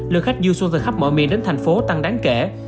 lượng khách du xuân từ khắp mọi miền đến thành phố tăng đáng kể